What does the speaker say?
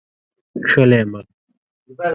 کښلی مخ